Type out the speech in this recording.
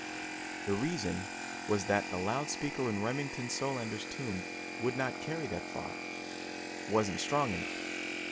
The reason was that the loud speaker in Remington Solander's tomb would not carry that far; it was not strong enough.